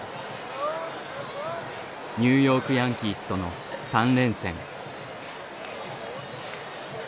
ニューヨークヤンキースとの３連戦。